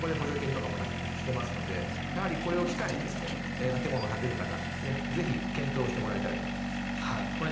そこで補助金を出したりしていますのでこれを機に住宅とかを建てる方ぜひ検討してもらいたいと思います。